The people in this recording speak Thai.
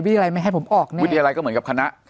วิทยาลัยไม่ให้ผมออกแน่วิทยาลัยก็เหมือนกับคณะ